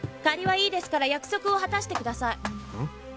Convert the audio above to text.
借りはいいですから約束を果たしてください。